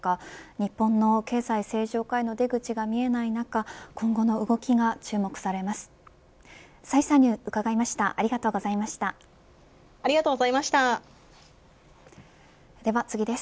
日本の経済正常化への出口が見えない中今後の動きが注目されます。